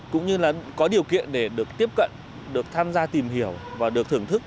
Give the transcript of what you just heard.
cũng như là có điều kiện để được tiếp cận được tham gia tìm hiểu và được thưởng thức